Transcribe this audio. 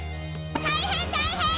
大変大変！